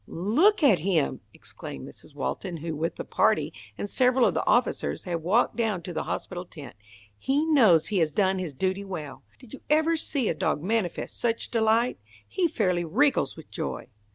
"Look at him!" exclaimed Mrs. Walton, who with the party and several of the officers had walked down to the hospital tent. "He knows he has done his duty well. Did you ever see a dog manifest such delight! He fairly wriggles with joy!"